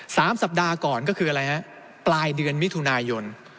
สามสัปดาห์ก่อนก็คืออะไรฮะปลายเดือนมิถุนายน